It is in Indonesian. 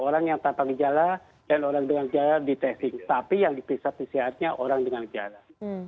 orang yang tanpa gejala dan orang dengan gejala di testing tapi yang diperiksa pcr nya orang dengan gejala